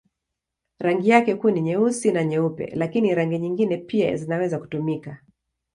Rangi yake kuu ni nyeusi na nyeupe, lakini rangi nyingine pia zinaweza kutumika.